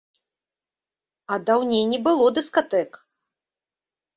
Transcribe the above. А даўней не было дыскатэк.